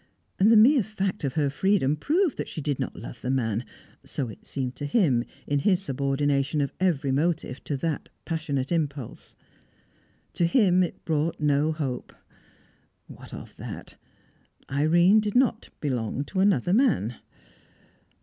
And the mere fact of her freedom proved that she did not love the man so it seemed to him, in his subordination of every motive to that passionate impulse. To him it brought no hope what of that! Irene did not belong to another man.